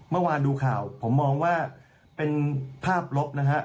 เมื่อวานดูข่าวผมมองว่าเป็นภาพลบนะฮะ